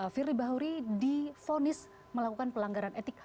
firly bahuri difonis melakukan pelanggaran etik